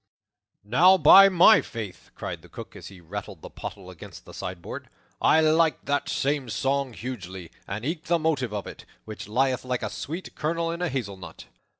"Now, by my faith," cried the Cook, as he rattled the pottle against the sideboard, "I like that same song hugely, and eke the motive of it, which lieth like a sweet kernel in a hazelnut."